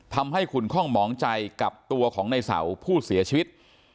ขุนคล่องหมองใจกับตัวของในเสาผู้เสียชีวิต